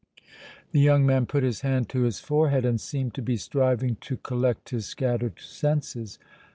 The young man put his hand to his forehead and seemed to be striving to collect his scattered senses.